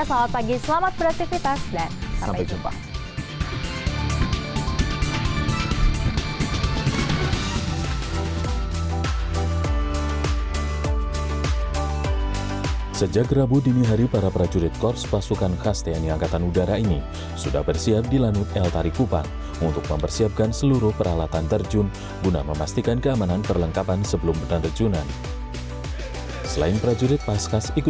selamat pagi selamat beraktifitas dan sampai jumpa